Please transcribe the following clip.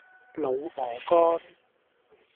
滷鵝肝